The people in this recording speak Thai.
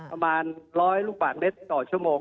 ประมาณร้อยลูกผ่านเม็ดต่อชั่วโมง